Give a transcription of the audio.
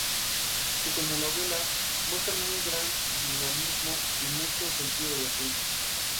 Sus telenovelas muestran un gran dinamismo y mucho sentido del ritmo.